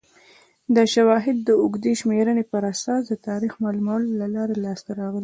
دا شواهد د اوږدې شمېرنې پر اساس د تاریخ معلومولو له لارې لاسته راغلي